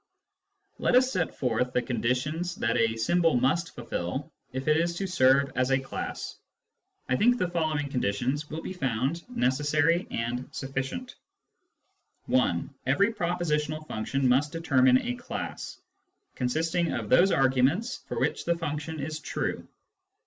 Let us set forth the conditions that a symbol must fulfil if it is to serve as a class. I think the following conditions will be found necessary and sufficient :— (1) Every prepositional function must determine a class,, consisting of those arguments for which the function is true.